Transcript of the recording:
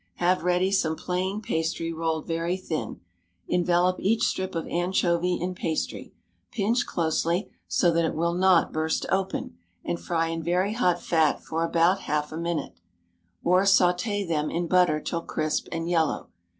Have ready some plain pastry rolled very thin; envelop each strip of anchovy in pastry; pinch closely, so that it will not burst open, and fry in very hot fat for a half minute, or sauté them in butter till crisp and yellow.